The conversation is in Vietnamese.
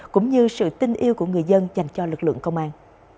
cũng như sự tin yêu của người dân dành cho lực lượng công an